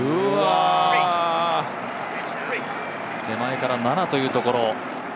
手前から７というところ。